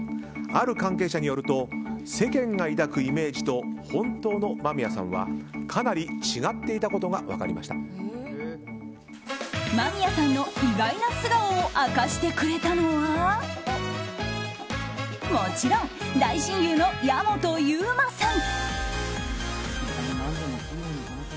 ある関係者によると世間が抱くイメージと本当の間宮さんはかなり違っていたことが間宮さんの意外な素顔を明かしてくれたのはもちろん、大親友の矢本悠馬さん。